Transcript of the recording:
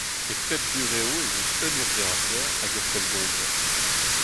E pep burev ez eus un urzhiataer hag ur pellgomzer.